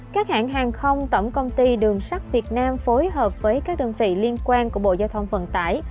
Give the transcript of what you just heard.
các hãng hàng không tổng công ty đường sắt việt nam phối hợp với các đơn vị liên quan của bộ giao thông vận tải